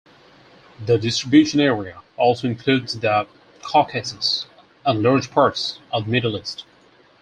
The distribution area also includes the Caucasus and large parts of the Middle East.